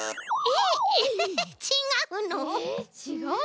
えちがうの？